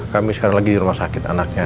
kami sekarang lagi di rumah sakit anaknya